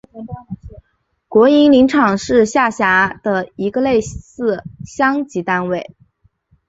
国营林场是下辖的一个类似乡级单位。